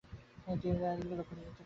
তিনি রায়বেরেলী হতে লক্ষ্মৌ যাত্রা করেন।